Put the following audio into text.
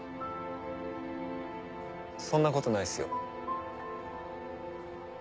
そんなことないっすよ。